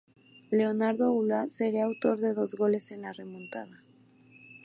Leonardo Ulloa sería autor de dos goles en la remontada.